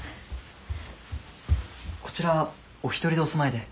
こちらお一人でお住まいで？